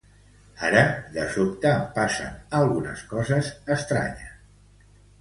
Ara, de sobte, em passen algunes coses estranyes